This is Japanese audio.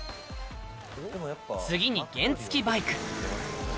次に原付バイク。